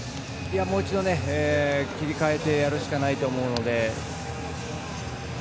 もう一度、切り替えてやるしかないと思うので。